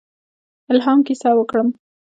الهام کیسه وکړم.